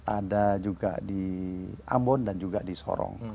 ada juga di ambon dan juga di sorong